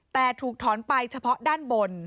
แต่ถูกถอนไปเฉพาะด้านบน